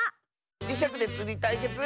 じしゃくでつりたいけつ